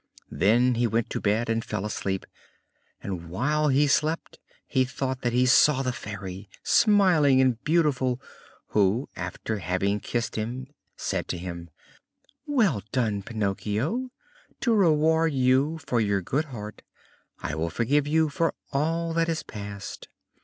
Then he went to bed and fell asleep. And whilst he slept he thought that he saw the Fairy, smiling and beautiful, who, after having kissed him, said to him: "Well done, Pinocchio! To reward you for your good heart I will forgive you for all that is past.